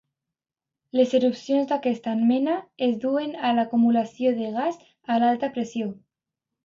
Les erupcions d'aquesta mena es deuen a l'acumulació de gas a alta pressió.